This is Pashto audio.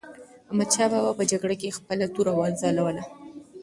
احمدشاه بابا په جګړه کې خپله توره وځلوله.